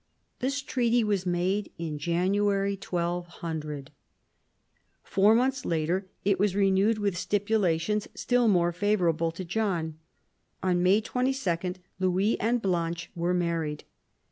This treaty was made in January 1200. Four months later it was renewed with stipulations still more favour able to John. On May 22 Louis and Blanche were married.